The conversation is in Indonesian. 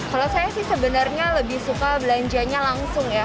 kalau saya sih sebenarnya lebih suka belanjanya langsung ya